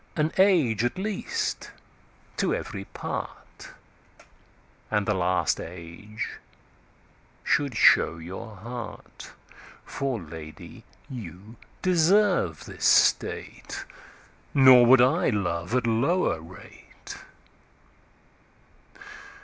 An Age at least to every part, And the last Age should show your Heart.For Lady you deserve this State; Nor would I love at lower rate.